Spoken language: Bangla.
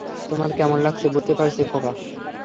তোমার কেমন লাগছে বুঝতে পারছি, খোকা।